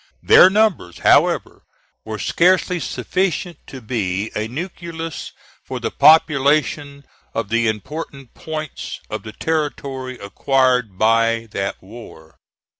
Their numbers, however, were scarcely sufficient to be a nucleus for the population of the important points of the territory acquired by that war.